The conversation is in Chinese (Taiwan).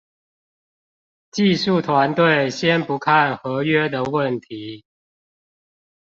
技術團隊先不看合約的問題